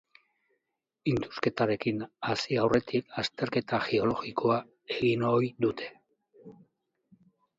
Indusketarekin hasi aurretik azterketa geologikoa egin ohi dute.